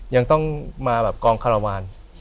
ยังต้องมากองคารวาร